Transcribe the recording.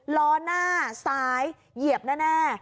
ล้อหน้าซ้ายเหยียบแน่